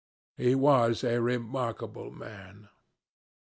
He was a remarkable man.